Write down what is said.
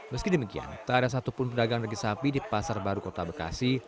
meski demikian tak ada satupun pedagang daging sapi di pasar baru kota bekasi